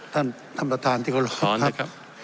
ท่านท่านประธานที่กรบครับขออนุญาตครับ